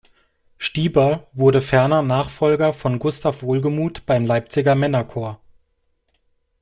Stieber wurde ferner Nachfolger von Gustav Wohlgemuth beim Leipziger Männerchor.